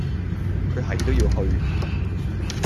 佢係都要去